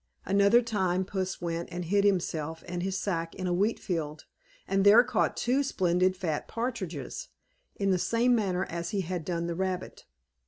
Another time, Puss went and hid himself and his sack in a wheat field, and there caught two splendid fat partridges in the same manner as he had done the rabbit.